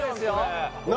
何？